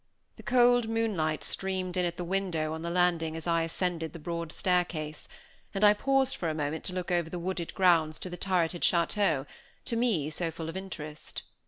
The cold moonlight streamed in at the window on the landing as I ascended the broad staircase; and I paused for a moment to look over the wooded grounds to the turreted château, to me, so full of interest.